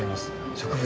植物